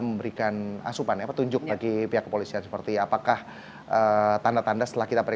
memberikan asupan apa tunjuk lagi pihak kepolisian seperti apakah tanda tanda setelah kita beri